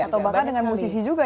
atau bahkan dengan musisi juga